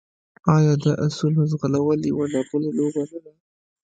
آیا د اسونو ځغلول یوه لرغونې لوبه نه ده؟